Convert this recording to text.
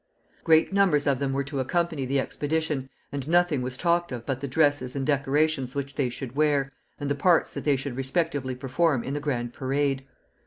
Great numbers of them were to accompany the expedition, and nothing was talked of but the dresses and decorations which they should wear, and the parts that they should respectively perform in the grand parade.